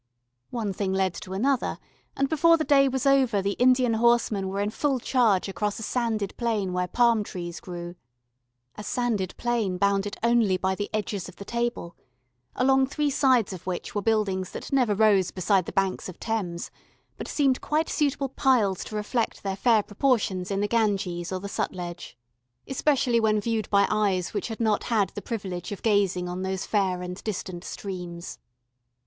One thing led to another, and before the day was over the Indian horsemen were in full charge across a sanded plain where palm trees grew a sanded plain bounded only by the edges of the table, along three sides of which were buildings that never rose beside the banks of Thames, but seemed quite suitable piles to reflect their fair proportions in the Ganges or the Sutlej, especially when viewed by eyes which had not had the privilege of gazing on those fair and distant streams.